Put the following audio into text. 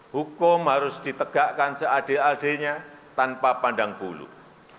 hukum harus ditegakkan seadil adilnya tanpa pandang bulu